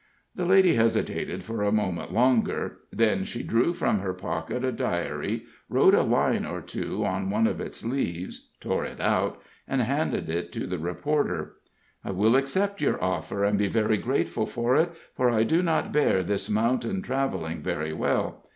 The lady hesitated for a moment longer; then she drew from her pocket a diary, wrote a line or two on one of its leaves, tore it out and handed it to the reporter. "I will accept your offer, and be very grateful for it, for I do not bear this mountain traveling very well.